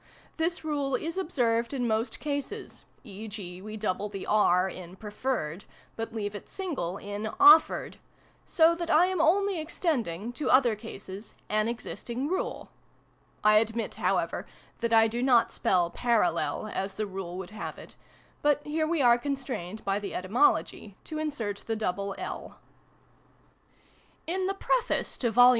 This rule is observed in most cases (e.g. we double the " r " in " preferred," but leave it single in "offered"), so that I am only ex tending, to other cases, an existing rule. I admit, however, that I do not spell " parallel," as the rule would have it ; but here we are constrained, by the etymology, to insert the double " 1 ". In the Preface to Vol.